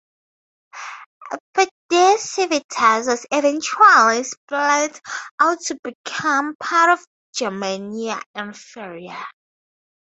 But this civitas was eventually split out to become part of Germania Inferior.